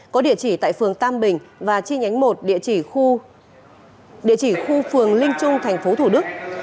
có địa chỉ tại phường tam bình và chi nhánh một địa chỉ khu phường linh trung tp hcm